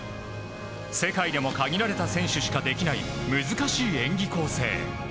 世界でも限られた選手しかできない難しい演技構成。